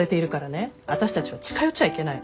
私たちは近寄っちゃいけない。